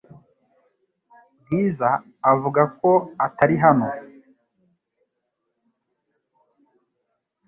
Bwiza avuga ko atari hano .